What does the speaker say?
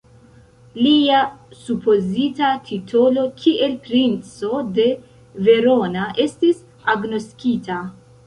Lia supozita titolo kiel princo de Verona estis agnoskita.